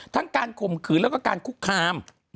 การข่มขืนแล้วก็การคุกคาม